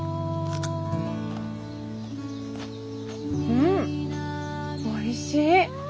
うんおいしい！